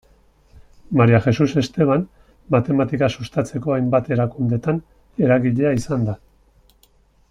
Maria Jesus Esteban matematika sustatzeko hainbat erakundetan eragilea izan da.